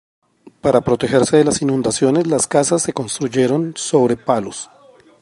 Para protegerse de las inundaciones, las casas se construyeron sobre palos.